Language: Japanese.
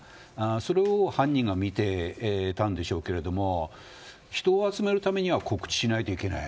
それを犯人が見てたんでしょうけれど人を集めるためには告知しないといけない。